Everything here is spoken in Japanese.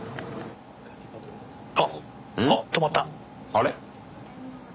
あれ？